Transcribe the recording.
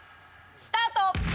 スタート！